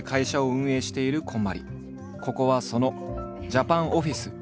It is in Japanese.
ここはそのジャパンオフィス。